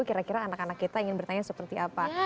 kira kira anak anak kita ingin bertanya seperti apa